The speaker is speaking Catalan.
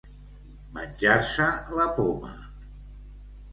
Menjar-se la poma.